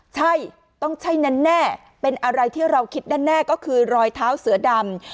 ใช่ต้องใช่แน่เป็นอะไรที่เราคิดแน่ก็คือรอยเท้าเสือดำ